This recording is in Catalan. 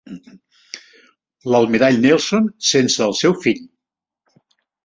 L'almirall Nelson sense el seu fill.